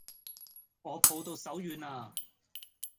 我抱到手軟啦